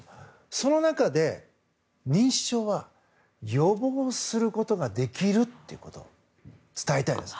その中で、認知症は予防することができるっていうことを伝えたいです。